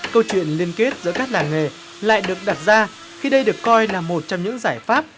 câu chuyện liên kết giữa các làng nghề lại được đặt ra khi đây được coi là một trong những giải pháp